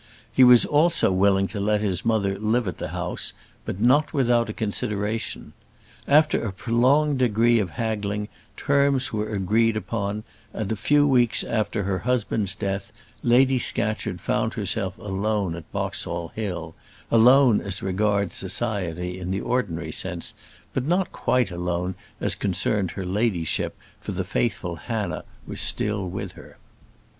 He was also willing to let his mother live at the house; but not without a consideration. After a prolonged degree of haggling, terms were agreed upon; and a few weeks after her husband's death, Lady Scatcherd found herself alone at Boxall Hill alone as regards society in the ordinary sense, but not quite alone as concerned her ladyship, for the faithful Hannah was still with her.